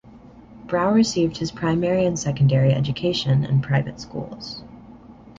Brau received his primary and secondary education in private schools.